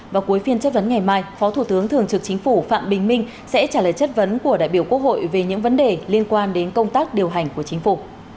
và cuối phiên chất vấn ngày mai phó thủ tướng thường trực chính phủ phạm bình minh sẽ trả lời chất vấn của đại biểu quốc hội về những vấn đề liên quan đến công tác điều hành của chính phủ